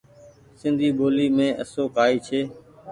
سندي ٻولي مين آسو ڪآئي ڇي۔